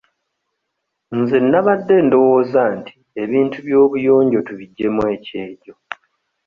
Nze nnabadde ndowooza nti ebintu by'obuyonjo tubiggyemu ekyejo.